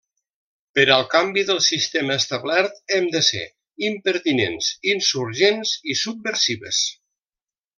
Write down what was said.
Per al canvi del sistema establert hem de ser: impertinents, insurgents i subversives.